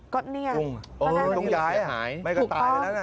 กุ้งต้องย้ายไม่ก็ตาย